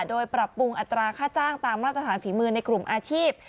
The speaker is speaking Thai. โดยปรับปรุงอัตราค่าจ้างตามมาตรฐานฝีมือในกลุ่มอาชีพ